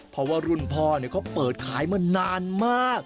เพราะว่ารุ่นพ่อเขาเปิดขายมานานมาก